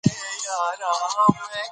افغانستان د طلا د ساتنې لپاره قوانین لري.